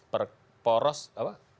perk poros apa